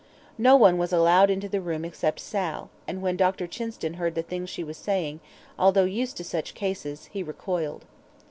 No one was allowed into the room except Sal, and when Dr. Chinston heard the things she was saying, although used to such cases, he recoiled.